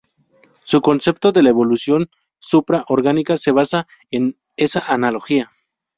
Su concepto de la evolución supra orgánica se basa en esa analogía.